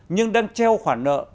nhưng đang treo khoản nợ